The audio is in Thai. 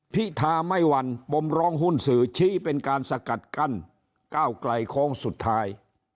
พิธาไม่วันปมร้องหุ้นสื่อชี้เป็นการสกัดกั้นก้าวไกลโค้งสุดท้าย